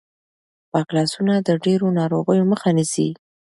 پاک لاسونه د ډېرو ناروغیو مخه نیسي.